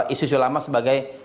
isu isu lama sebagai